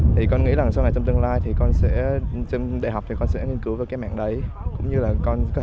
trong toán học